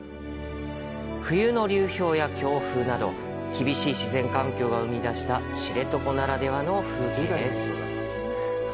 冬の流氷や強風など厳しい自然環境が生み出した知床ならではの風景です。